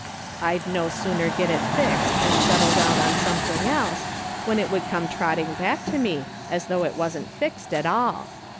I'd no sooner get it fixed and settle down on something else, when it would come trotting back to me as though it wasn't fixed at all.